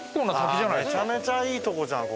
めちゃめちゃいいとこじゃん